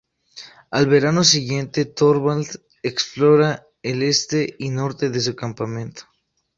Al verano siguiente Thorvald explora el este y norte de su campamento.